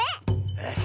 よし。